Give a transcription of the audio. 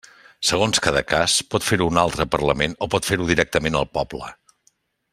Segons cada cas, pot fer-ho un altre parlament o pot fer-ho directament el poble.